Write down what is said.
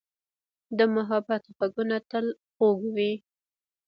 د محبت ږغونه تل خوږ وي.